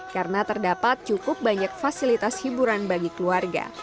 karena terdapat cukup banyak fasilitas hiburan bagi keluarga